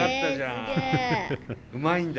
うまいんだ。